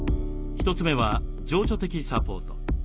１つ目は情緒的サポート。